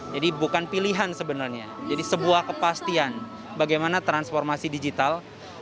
jadi bukan pilihan sebenarnya jadi sebuah kepastian bagaimana transformasi digital